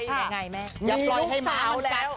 อย่าปล่อยให้เม้า